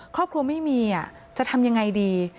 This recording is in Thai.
ครอบครัวไม่มีจะทำยังไงดี